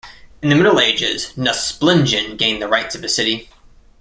In the Middle Ages Nusplingen gained the rights of a city.